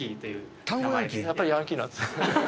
やっぱりヤンキーなんです。